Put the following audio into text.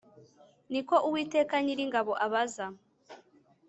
Ni ko Uwiteka Nyiringabo abaza.